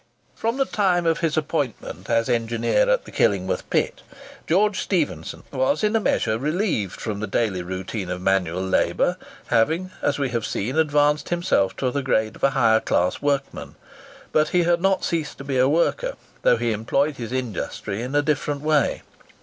From the time of his appointment as engineer at the Killingworth Pit, George Stephenson was in a measure relieved from the daily routine of manual labour, having, as we have seen, advanced himself to the grade of a higher class workman. But he had not ceased to be a worker, though he employed his industry in a different way.